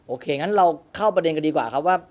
งั้นเราเข้าประเด็นกันดีกว่าครับว่า